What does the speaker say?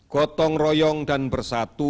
gotong royong dan bersatu